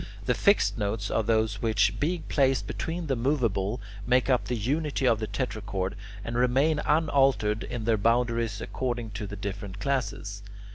The fixed notes are those which, being placed between the moveable, make up the unity of the tetrachord, and remain unaltered in their boundaries according to the different classes.